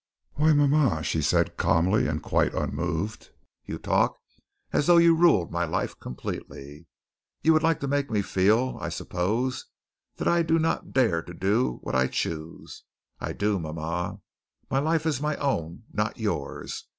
"Why, mama," she said calmly and quite unmoved, "you talk as though you ruled my life completely. You would like to make me feel, I suppose, that I do not dare to do what I choose. I do, mama. My life is my own, not yours.